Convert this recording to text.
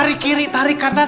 tarik kiri tarik kanan